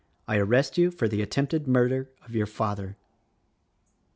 I arrest you for the attempted murder of your father."